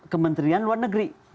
kementerian luar negeri